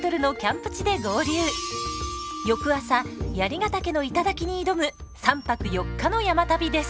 翌朝槍ヶ岳の頂に挑む３泊４日の山旅です。